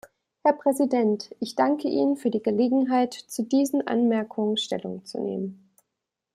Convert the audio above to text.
Herr Präsident, ich danke Ihnen für die Gelegenheit, zu diesen Anmerkungen Stellung zu nehmen.